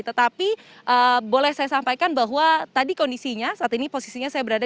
tetapi boleh saya sampaikan bahwa tadi kondisinya saat ini posisinya saya berada